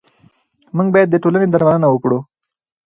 موږ باید د ټولنې درملنه وکړو.